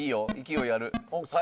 勢いある。